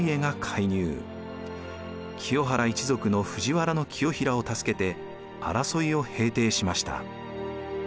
清原一族の藤原清衡を助けて争いを平定しました。